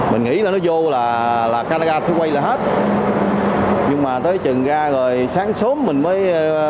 mình nghĩ là nó vô là canada thuê quay là hết nhưng mà tới chừng ga rồi sáng sớm mình mới